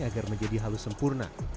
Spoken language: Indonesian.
agar menjadi halus sempurna